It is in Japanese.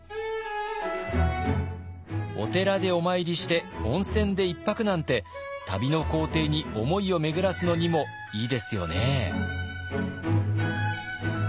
お寺でお参りして温泉で１泊なんて旅の行程に思いを巡らすのにもいいですよね。